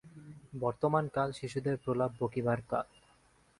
বর্তমান কাল শিশুদের প্রলাপ বকিবার কাল।